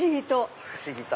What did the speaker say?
不思議と。